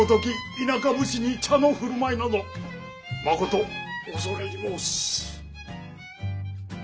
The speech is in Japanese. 田舎武士に茶の振る舞いなどまこと恐れ入り申す。